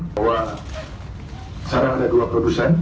bahwa sekarang ada dua produsen